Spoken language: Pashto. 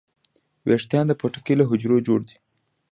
ویښتان د پوټکي له حجرو جوړ دي